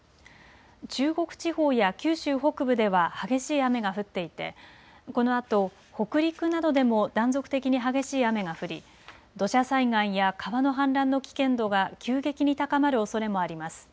中国地方や九州北部では激しい雨が降っていてこのあと北陸などでも断続的に激しい雨が降り土砂災害や川の氾濫の危険度が急激に高まるおそれもあります。